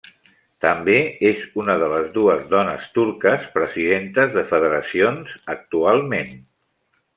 També és una de les dues dones turques presidentes de federacions actualment.